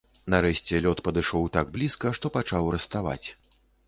Нарэшце лёд падышоў так блізка, што пачаў раставаць.